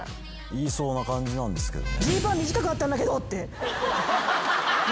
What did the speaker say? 言いそうな感じなんですけどね。